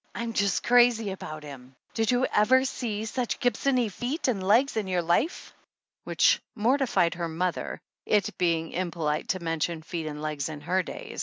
"I'm just crazy about him! Did you ever see such Gibsony feet and legs in your life?" Which mortified her mother, it being im polite to mention feet and legs in her days.